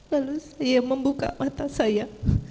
lalu dia membuka mata saya